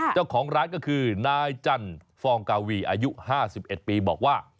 เจ้าของร้านก็คือนายจันฟองกาวีอายุ๕๑ปีบอกว่า